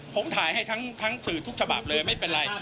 ผมถ่ายให้ทั้งสื่อทุกฉบับเลยไม่เป็นไร